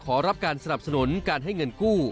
ขอรับการสนับสนุนการให้เงินกู้